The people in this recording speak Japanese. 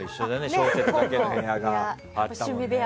小説だけの部屋があったもんね。